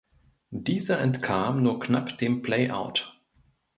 Dieser entkam nur knapp dem Play-Out.